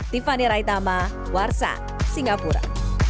tiffany raitama warsan singapura